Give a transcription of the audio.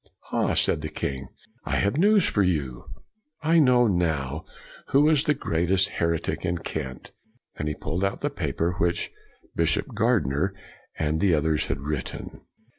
" Ha," said the king, " I have news for you: I know now who is the greatest heretic in Kent! " And he pulled out the paper which Bishop Gardiner and the others had written.